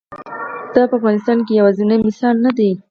دا په افغانستان کې یوازینی مثال نه دی.